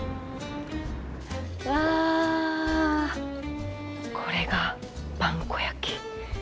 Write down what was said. わこれが萬古焼。